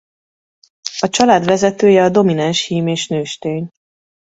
A család vezetője a domináns hím és nőstény.